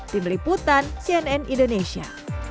tim liputan cnn indonesia